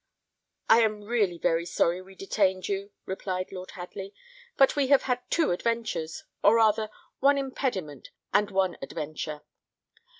"I am really very sorry we detained you," replied Lord Hadley; "but we have had two adventures, or rather, one impediment and one adventure.